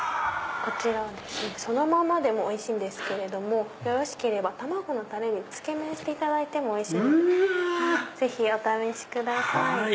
こちらそのままでもおいしいんですけれどもよろしければ卵のタレにつけ麺にしてもおいしいのでぜひお試しください。